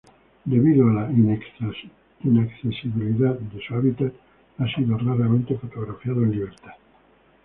Debido a la inaccesibilidad de su hábitat ha sido raramente fotografiado en libertad.